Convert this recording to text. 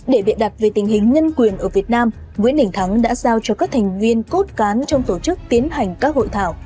để biện đặt về tình hình nhân quyền ở việt nam nguyễn đình thắng đã giao cho các thành viên cốt cán trong tổ chức tiến hành các hội thảo